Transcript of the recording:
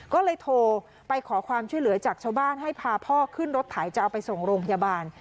ก็เลยโทรไปขอความช่วยเหลือจากชาวบ้านให้พาพ่อขึ้นรถไถจะเอาไปส่งโรงพยาบาล